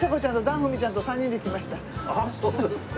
あっそうですか。